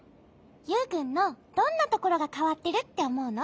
ユウくんのどんなところがかわってるっておもうの？